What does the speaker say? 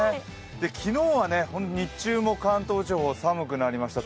昨日は日中も関東地方、寒くなりました。